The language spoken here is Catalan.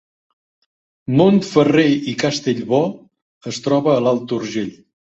Montferrer i Castellbò es troba a l’Alt Urgell